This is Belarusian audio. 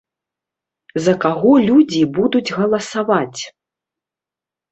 За каго людзі будуць галасаваць?